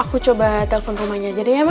aku coba telpon rumahnya aja deh ya ma